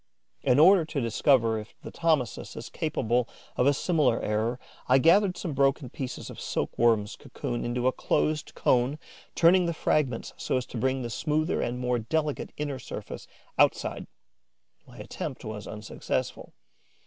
In order to discover if the Thomisus is capable of a similar error, I gathered some broken pieces of silk worm's cocoon into a closed cone, turning the fragments so as to bring the smoother and more delicate inner surface outside. My attempt was unsuccessful.